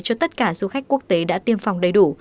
cho tất cả du khách quốc tế đã tiêm phòng đầy đủ